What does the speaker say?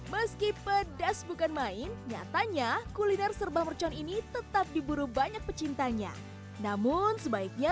meski pedas bukan main nyatanya kuliner serba mercon ini tetap diburu banyak pecintanya namun sebaiknya